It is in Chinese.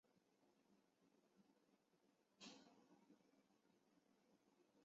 弗莱舍曼已经结婚并且有三个儿子。